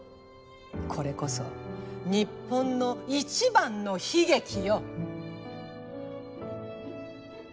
これこそ日本の一番の悲劇よ！